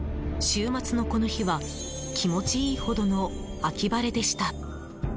週末のこの日は気持ちいいほどの秋晴れでした。